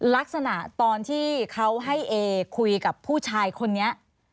ลักษณะตอนที่เขาให้เอคุยกับผู้ชายคนนี้